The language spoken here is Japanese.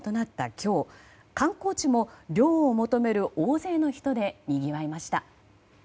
今日観光地も涼を求める大勢の人でにぎわいました。